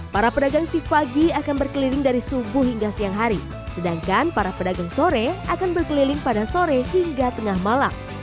para pedagang shift pagi akan berkeliling dari subuh hingga siang hari sedangkan para pedagang sore akan berkeliling pada sore hingga tengah malam